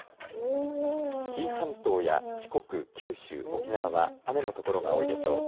紀伊半島や四国、九州、沖縄は雨の所が多いでしょう。